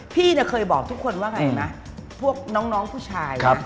พี่เคยบอกว่าทุกคนนะครับพวกน้องพุชาย